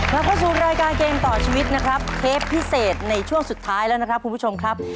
เราเข้าสู่รายการเกมต่อชีวิตนะครับเทปพิเศษในช่วงสุดท้ายแล้วนะครับคุณผู้ชมครับ